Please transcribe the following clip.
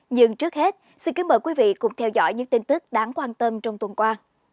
nhưng trước hết xin kính mời quý vị cùng theo dõi những tin tức đáng quan tâm trong tuần qua